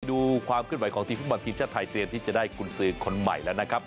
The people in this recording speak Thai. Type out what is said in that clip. ดูความเคลื่อนไหวของทีมฟุตบอลทีมชาติไทยเตรียมที่จะได้กุญสือคนใหม่แล้วนะครับ